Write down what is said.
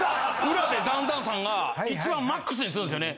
裏でダウンタウンさんが一番ＭＡＸにするんですよね。